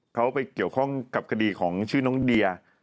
เขาไปเกี่ยวข้องกับคดีของชื่อน้องเดีย